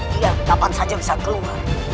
dia kapan saja bisa keluar